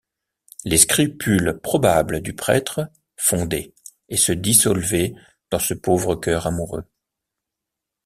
Les scrupules probables du prêtre fondaient et se dissolvaient dans ce pauvre cœur amoureux.